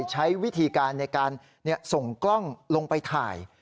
ใช้วิธีการในการส่งกล้องลงไปถ่าย